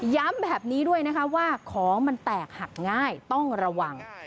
ย้ำแบบนี้ด้วยนะคะว่าของมันแตกหักง่ายต้องระวัง